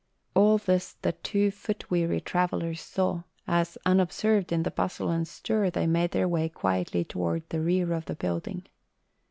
All this the two foot weary travellers saw, as unobserved in the bustle and stir, they made their way quietly toward the rear of the building.